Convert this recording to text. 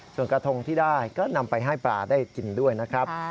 ส่วนกระทงที่ได้ก็นำไปให้ปลาได้กินด้วยนะครับ